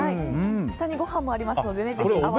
下にご飯もありますのでぜひ。